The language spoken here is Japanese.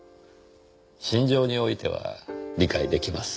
心情においては理解出来ます。